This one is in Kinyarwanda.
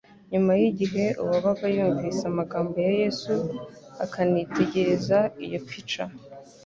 Nyuma y'igihe, uwabaga yumvise amagambo ya Yesu akanitegereza iyo pica,